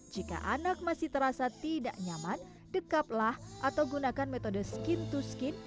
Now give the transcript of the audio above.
jika anak masih terasa tidak nyaman dekaplah atau gunakan metode skin to skin